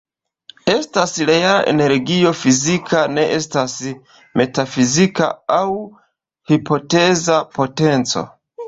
Estas reala energio, fizika; ne estas metafizika aŭ hipoteza potenco.